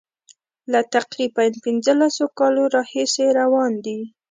له تقریبا پنځلسو کالو راهیسي روان دي.